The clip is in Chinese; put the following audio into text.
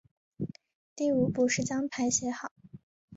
第五步是将牌写好。